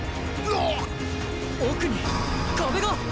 奥に壁がっ！